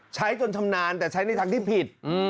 จนชำนาญแต่ใช้ในทางที่ผิด